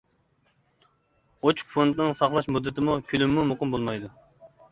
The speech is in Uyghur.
ئوچۇق فوندنىڭ ساقلاش مۇددىتىمۇ، كۆلىمىمۇ مۇقىم بولمايدۇ.